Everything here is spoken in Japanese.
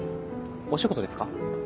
お仕事ですか？